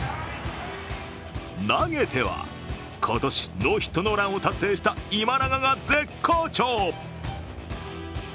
投げては、今年ノーヒットノーランを達成した今永が絶好調。